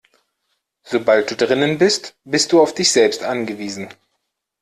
Sobald du drinnen bist, bist du auf dich selbst angewiesen.